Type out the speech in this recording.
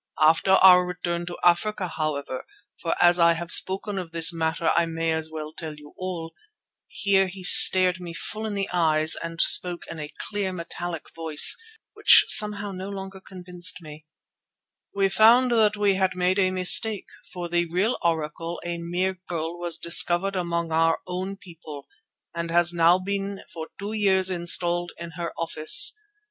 After our return to Africa, however, for as I have spoken of this matter I may as well tell you all," here he stared me full in the eyes and spoke in a clear metallic voice which somehow no longer convinced me, "we found that we had made a mistake, for the real Oracle, a mere girl, was discovered among our own people, and has now been for two years installed in her office.